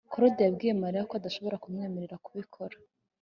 claude yabwiye mariya ko adashobora kumwemerera kubikora